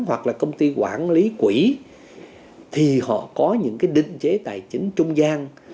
hoặc là công ty quản lý quỹ thì họ có những cái định chế tài chính trung gian